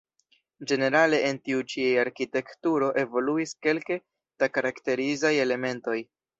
Ĝenerale en tiu ĉi arkitekturo evoluis kelke da karakterizaj elementoj.